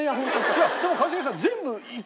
いやでも一茂さん。